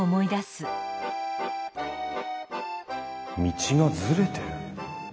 道がずれてる？